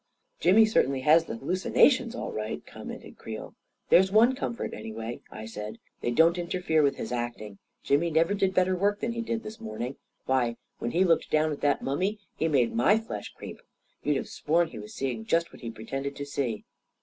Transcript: "Jimmy certainly has the hallucinations, all right I " commented Creel. "There's one comfort, anyway," I said; "they don't interfere with his acting. Jimmy never did better work than he did this morning. Why, when he looked down at that mummy, he made my flesh creep. You'd have sworn he was seeing just what he pretended to see."